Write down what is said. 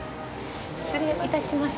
失礼いたします。